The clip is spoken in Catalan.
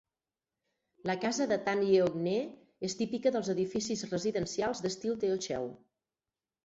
La casa de Tan Yeok Nee és típica dels edificis residencials d'estil Teochew.